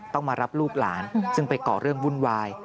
ต้องมารับลูกหลานซึ่งไปก่อเรื่องวุ่นวาย